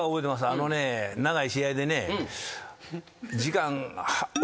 あのね長い試合でね。